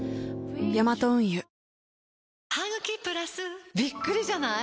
ヤマト運輸びっくりじゃない？